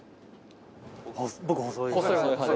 僕細い派。